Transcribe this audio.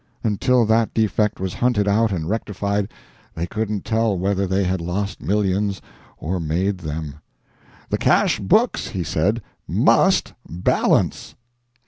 Until that defect was hunted out and rectified, they couldn't tell whether they had lost millions or made them. "The cash books," he said, "must balance!"